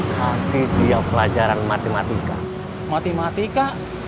kasih dia pelajaran matematika